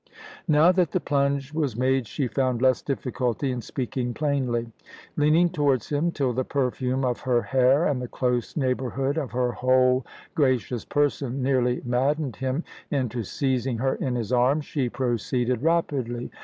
Now that the plunge was made she found less difficulty in speaking plainly. Leaning towards him, till the perfume of her hair and the close neighbourhood of her whole gracious person nearly maddened him into seizing her in his arms, she proceeded rapidly.